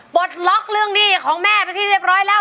ปลดล็อกเรื่องหนี้ของแม่ไปที่เรียบร้อยแล้ว